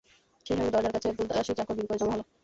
সেইসঙ্গে দরজার কাছে একদল দাসী চাকর ভিড় করে জমা হল।